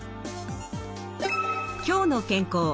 「きょうの健康」